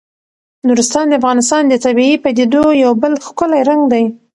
نورستان د افغانستان د طبیعي پدیدو یو بل ښکلی رنګ دی.